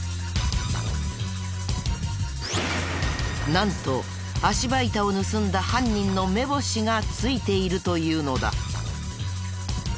なんと足場板を盗んだ犯人の目星がついているというのだ。